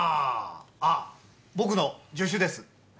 あっ僕の助手です。